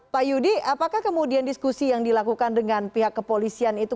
pak yudi apakah kemudian diskusi yang dilakukan dengan pihak kepolisian itu